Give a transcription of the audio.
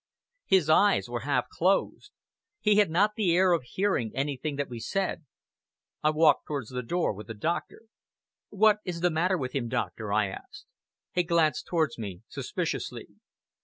His eyes were half closed. He had not the air of hearing anything that we said. I walked towards the door with the doctor. "What is the matter with him, doctor?" I asked. He glanced towards me suspiciously.